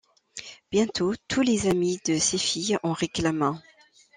Bientôt, tous les amis de ses filles en réclament un.